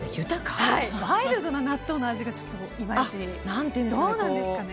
ワイルドな納豆な味がいまいちどうなんですかね？